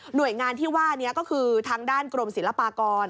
โดยงานที่ว่านี้ก็คือทางด้านกรมศิลปากร